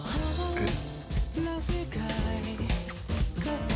えっ？